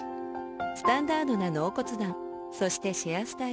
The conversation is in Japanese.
スタンダードな納骨壇そしてシェアスタイル。